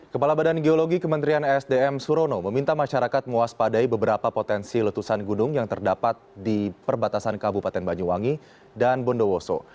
kepala badan geologi kementerian esdm surono meminta masyarakat mewaspadai beberapa potensi letusan gunung yang terdapat di perbatasan kabupaten banyuwangi dan bondowoso